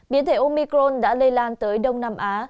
biến thể omicron đã lây lan tới đông nam á